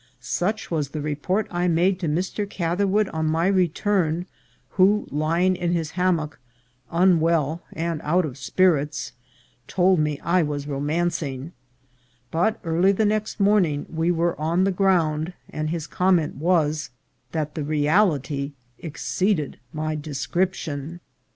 Such was the report I made to Mr. Catherwood on my return, who, lying in his hammock unwell and out of spirits, told me I was romancing ; but early the next morning we were on the ground, and his comment was that the reality exceeded my description.